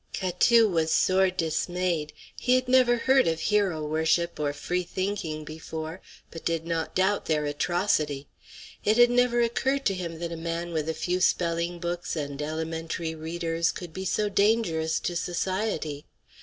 Catou was sore dismayed. He had never heard of hero worship or free thinking before, but did not doubt their atrocity. It had never occurred to him that a man with a few spelling books and elementary readers could be so dangerous to society.